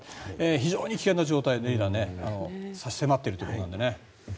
非常に危険な状態がリーダー、差し迫っているということなのでね。